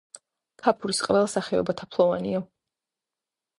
ქაფურის ყველა სახეობა თაფლოვანია.